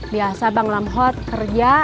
biasa bang lamhot kerja